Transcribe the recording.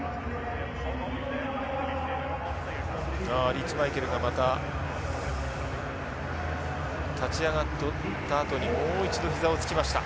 リーチマイケルがまた立ち上がったあとにもう一度膝をつきました。